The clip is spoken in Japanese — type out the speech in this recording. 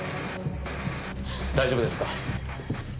大丈夫ですか？